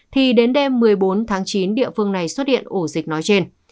thì đến đêm một mươi bốn tháng chín địa phương này xuất hiện ổ dịch nói trên